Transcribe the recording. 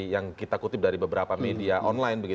yang kita kutip dari beberapa media online